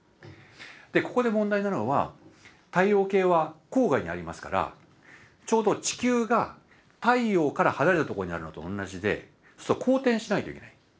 ここで問題なのは太陽系は郊外にありますからちょうど地球が太陽から離れた所にあるのと同じですると公転しないといけない。